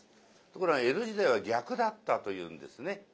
ところが江戸時代は逆だったというんですね。